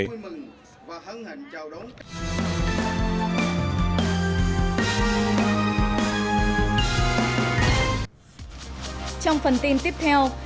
trong phần tin tiếp theo